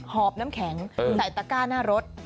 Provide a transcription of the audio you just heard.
อบน้ำแข็งใส่ตะก้าหน้ารถ